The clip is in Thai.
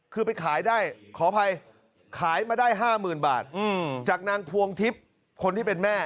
คือไปขายได้ขออภัยขายมาได้๕๐๐๐บาทจากนางพวงทิพย์คนที่เป็นแม่